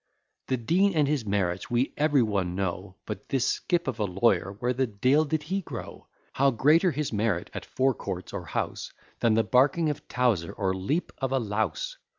The Dean and his merits we every one know, But this skip of a lawyer, where the de'il did he grow? How greater his merit at Four Courts or House, Than the barking of Towzer, or leap of a louse!